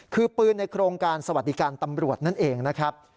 คือปืนในโครงการสวัสดิการตำรวจนั่นเองนะครับ